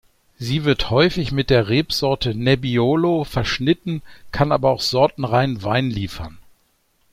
Sie wird häufig mit der Rebsorte Nebbiolo verschnitten, kann aber auch sortenreinen Wein liefern.